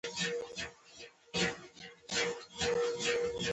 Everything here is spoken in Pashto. پابندي غرونه د افغان کلتور په کیسو او داستانونو کې دي.